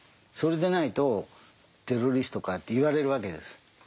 それでないと「テロリストか？」って言われるわけです。